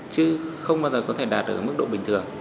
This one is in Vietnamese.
chứ không bao giờ có thể đạt được ở mức độ bình thường